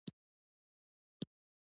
بدرنګه خبرې د زړه پر مخ داغ پرېږدي